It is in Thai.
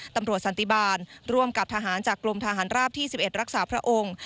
สันติบาลร่วมกับทหารจากกรมทหารราบที่๑๑รักษาพระองค์